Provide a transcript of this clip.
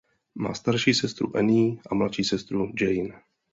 Má starší sestru Annie a mladší sestru Jane.